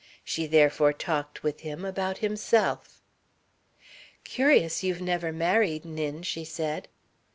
She therefore talked with him about himself. "Curious you've never married, Nin," she said.